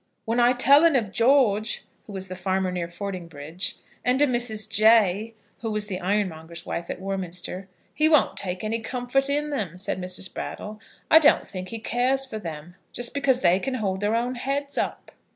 "When I tell 'un of George," who was the farmer near Fordingbridge, "and of Mrs. Jay," who was the ironmonger's wife at Warminster, "he won't take any comfort in them," said Mrs. Brattle. "I don't think he cares for them, just because they can hold their own heads up."